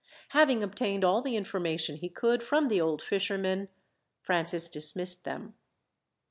Having obtained all the information he could from the old fishermen, Francis dismissed them.